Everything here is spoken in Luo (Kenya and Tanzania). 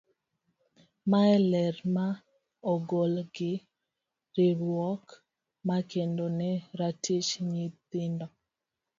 Mae ler ma ogol gi riwruok ma kedo ne ratich nyithindo.